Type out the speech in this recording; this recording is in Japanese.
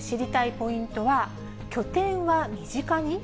ポイントは拠点は身近に？